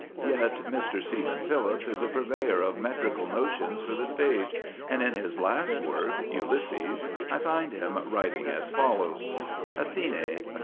Yet Mr. Stephen Phillips is a purveyor of metrical notions for the stage, and in his last great work Ulysses I find him writing as follows: ATHENE.